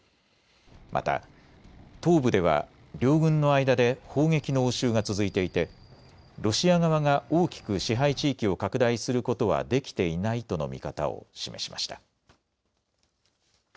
また東部では両軍の間で砲撃の応酬が続いていてロシア側が大きく支配地域を拡大することはできていないとの見方を示しました。